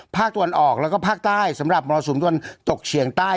ตะวันออกแล้วก็ภาคใต้สำหรับมรสุมตะวันตกเฉียงใต้